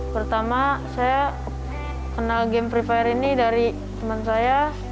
pertama saya kenal game free fire ini dari teman saya